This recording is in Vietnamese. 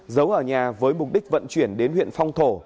giấu ở nhà với mục đích vận chuyển đến huyện phong thổ